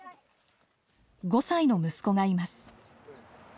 ５歳の息子がいます。